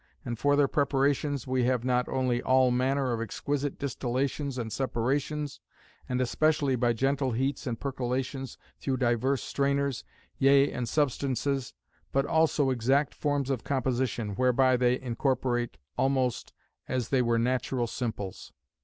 And for their preparations, we have not only all manner of exquisite distillations and separations, and especially by gentle heats and percolations through divers strainers, yea and substances; but also exact forms of composition, whereby they incorporate almost, as they were natural simples.